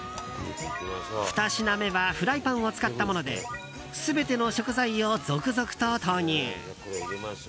２品目はフライパンを使ったもので全ての食材を続々と投入。